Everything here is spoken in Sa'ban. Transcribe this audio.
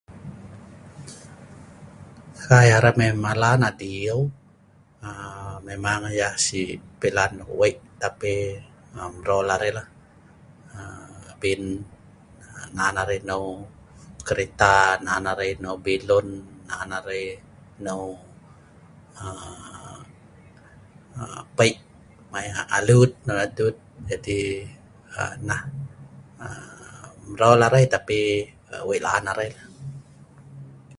Kai arai mai malan adiw, memang yah Si pilan noi Wei, tapi mrol arai la.nan arai neu kereta, nan neu alut,